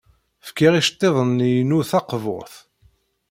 Fkiɣ iceḍḍiḍen-nni-inu taqburt.